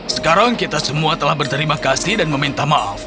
sekarang kita semua telah berterima kasih dan meminta maaf